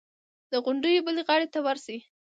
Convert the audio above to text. د غونډیو بلې غاړې ته ورشي.